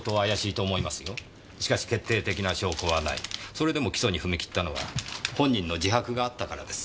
それでも起訴に踏み切ったのは本人の自白があったからです。